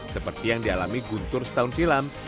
seperti yang dialami guntur setahun silam